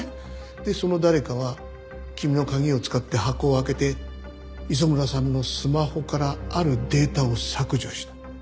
でその誰かは君の鍵を使って箱を開けて磯村さんのスマホからあるデータを削除した。